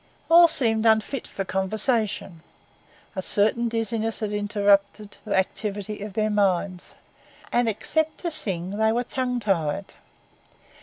All seemed unfit for conversation; a certain dizziness had interrupted the activity of their minds; and except to sing they were tongue tied.